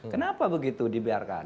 kenapa begitu dibiarkan